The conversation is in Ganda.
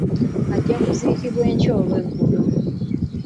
Ajja kuziikibwa enkya olweggulo.